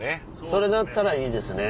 それだったらいいですね。